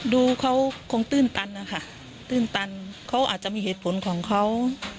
ดูเขาคงตื้นตันนะคะตื้นตันเขาอาจจะมีเหตุผลของเขา